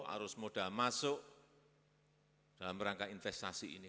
arus modal masuk dalam rangka investasi ini